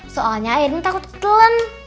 soalnya aiden takut ketelan